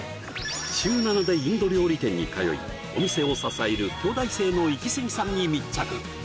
週７でインド料理店に通いお店を支える京大生のイキスギさんに密着！